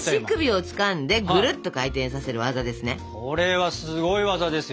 これはすごい技ですよ。